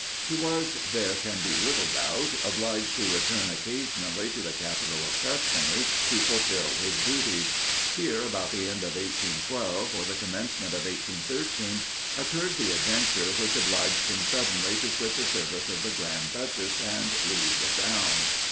He was, there can be little doubt, obliged to return occasionally to the capital of Tuscany to fulfil his duties. Here, about the end of 1812, or the commencement of 1813, occurred the adventure which obliged him suddenly to quit the service of the Grand Duchess, and leave the town.